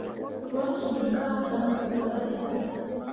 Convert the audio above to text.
Rwahlle siŋ ka dan gelale.